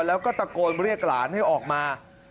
แล้วก็ตะโกนเรียกหลานให้ออกมา